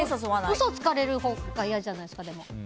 嘘をつかれるほうが嫌じゃないですか。